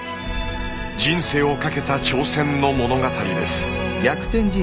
人生を懸けた挑戦の物語です。